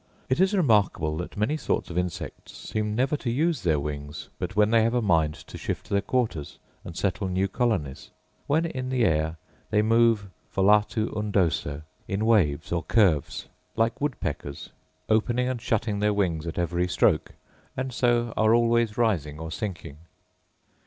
It is remarkable, that many sorts of insects seem never to use their wings but when they have a mind to shift their quarters and settle new colonies. When in the air they move 'volatu undoso,' in waves or curves, like wood packers, opening and shutting their wings at every stroke, and so are always rising or sinking.